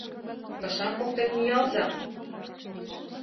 Кышам поктен миялза.